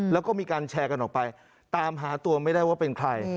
แล้วก็มีการแชร์กันออกไปตามหาตัวไม่ได้ว่าเป็นใคร